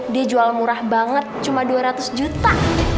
dia jual murah banget cuma dua ratus juta